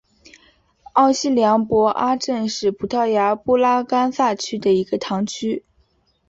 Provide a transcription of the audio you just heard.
奥西良博阿镇是葡萄牙布拉干萨区的一个堂区。